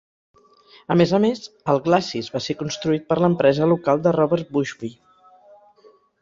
A més a més, el glacis va ser construït per l'empresa local de Robert Bushby.